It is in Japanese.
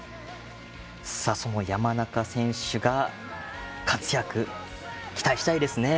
山中選手の活躍期待したいですね。